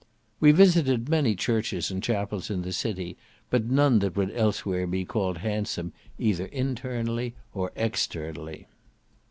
We visited many churches and chapels in the city, but none that would elsewhere be called handsome, either internally or externally.